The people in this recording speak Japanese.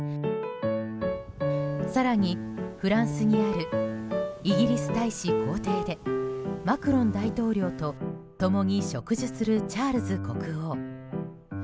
更に、フランスにあるイギリス大使公邸でマクロン大統領と共に食事するチャールズ国王。